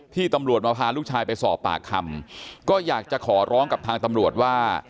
ตำรวจมาพาลูกชายไปสอบปากคำก็อยากจะขอร้องกับทางตำรวจว่า